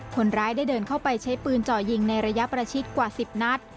คนร้ายได้เดินเข้าไปใช้ปืนจ่อยิงในระยะประชิดกว่า๑๐นัด